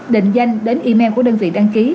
định danh đến email của đơn vị đăng ký